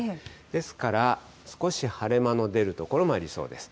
ですから、少し晴れ間の出る所もありそうです。